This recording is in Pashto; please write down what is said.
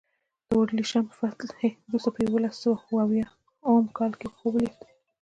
د اورشلیم له فتحې وروسته په یوولس سوه اویا اووم کال خوب ولید.